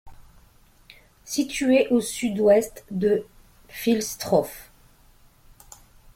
Situé au Sud-Ouest de Filstroff.